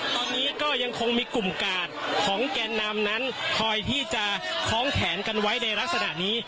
ตอนนี้ก็ยังคงมีกลุ่มกาดของแกนนำนั้นคอยที่จะคล้องแขนกันไว้ในลักษณะนี้